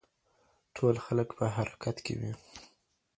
ټول خلک په حرکت کې وي.